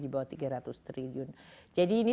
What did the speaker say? di bawah tiga ratus triliun jadi ini